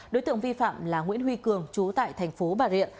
đối tượng vi phạm là nguyễn huy cường trú tại thành phố bà rịa